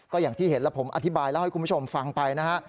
ก็อย่างที่เห็นแล้วผมอธิบายเล่าให้คุณผู้ชมฟังไปนะฮะ